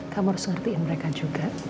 kamu harus ngertiin mereka juga